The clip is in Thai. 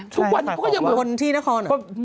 ทุกวันเขาก็ยังมนที่นะครับ